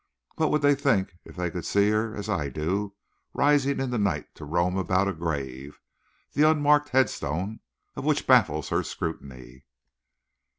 What would they think if they could see her as I do rising in the night to roam about a grave, the unmarked head stone of which baffles her scrutiny?